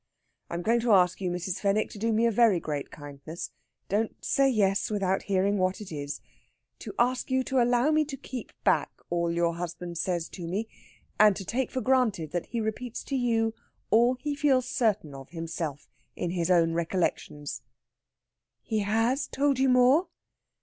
"I am going to ask you, Mrs. Fenwick, to do me a very great kindness don't say yes without hearing what it is to ask you to allow me to keep back all your husband says to me, and to take for granted that he repeats to you all he feels certain of himself in his own recollections." "He has told you more?"